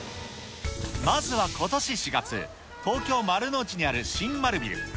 まずはことし４月、東京・丸の内にある新丸ビル。